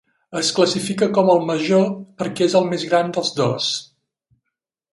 Es classifica com el "major" perquè és el més gran dels dos.